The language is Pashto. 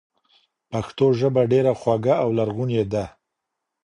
پښتو ژبه ډېره خوږه او لرغونې ده.